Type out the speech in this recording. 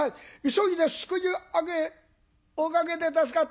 急いですくい上げ「おかげで助かった。